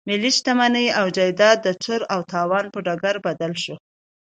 ملي شتمني او جايداد د چور او تالان پر ډګر بدل شو.